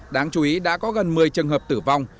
đáng chú ý đã có gần một mươi trường hợp tử vong